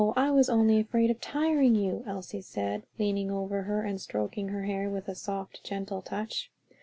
I was only afraid of tiring you," Elsie said, leaning over her and stroking her hair with soft, gentle touch.